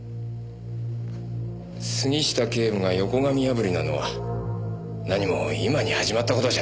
杉下警部が横紙破りなのは何も今に始まった事じゃないでしょう。